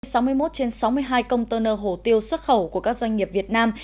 sáu mươi một trên sáu mươi hai công tên nô hồ tiêu xuất khẩu của các doanh nghiệp việt nam